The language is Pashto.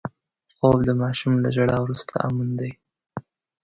خوب د ماشوم له ژړا وروسته امن دی